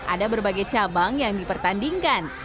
ada berbagai cabang yang dipertandingkan